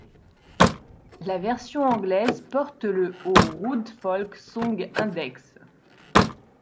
La version anglaise porte le au Roud Folk Song Index.